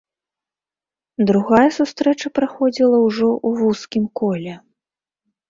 Другая сустрэча праходзіла ўжо ў вузкім коле.